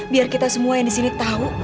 biar kita semua yang di sini tahu